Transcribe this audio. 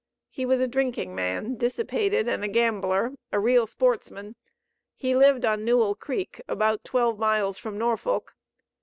He was a drinking man, dissipated and a gambler, a real sportsman. He lived on Newell Creek, about twelve miles from Norfolk.